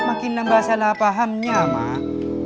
makin nambah salah pahamnya mak